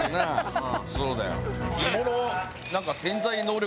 そうだよ。